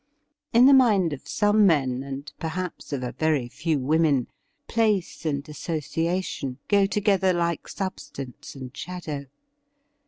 In the mind of some men, and perhaps of a very few women, place and eissociation go together like substance and shadow.